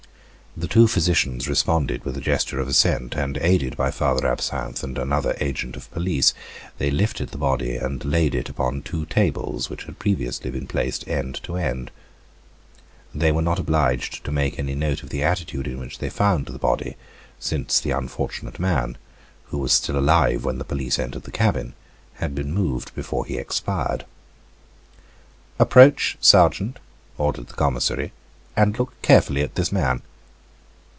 The two physicians responded with a gesture of assent, and aided by Father Absinthe and another agent of police, they lifted the body and laid it upon two tables, which had previously been placed end to end. They were not obliged to make any note of the attitude in which they found the body, since the unfortunate man, who was still alive when the police entered the cabin, had been moved before he expired. "Approach, sergeant," ordered the commissary, "and look carefully at this man."